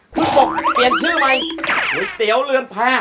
คือบอกเปลี่ยนชื่อใหม่ก๋วยเตี๋ยวเรือนแพร่